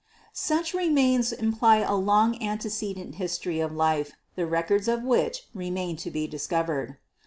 Such re mains imply a long antecedent history of life, the records of which remain to be discovered.